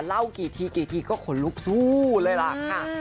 เล่ากี่ทีกี่ทีก็ขนลุกสู้เลยล่ะค่ะ